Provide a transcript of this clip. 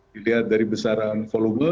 dilihat dari besaran volume